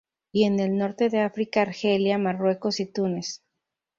Y en el norte de África, Argelia, Marruecos y Túnez.